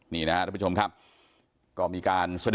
นี่นะครับท่านผู้ชมครับก็มีการแสดงจุดยืนกัน